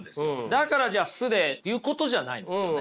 だからじゃあ素でっていうことじゃないんですよね。